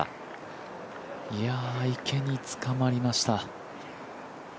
池につかまりました。